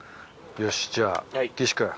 よしじゃあ岸君。